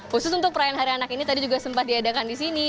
khusus untuk perayaan hari anak ini tadi juga sempat diadakan di sini